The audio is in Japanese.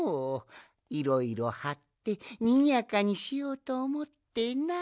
いろいろはってにぎやかにしようとおもってな。